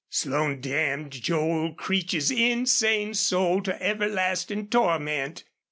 Slone damned Joel Creech's insane soul to everlasting torment.